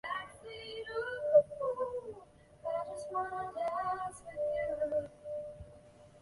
高氯酸镍可由高氯酸和氢氧化镍或碳酸镍反应得到。